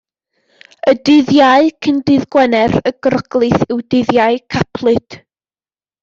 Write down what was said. Y dydd Iau cyn dydd Gwener y Groglith yw Dydd Iau Cablyd.